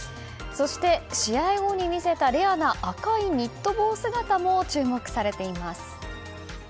そして、試合後に見せたレアな赤いニット帽姿も注目されています。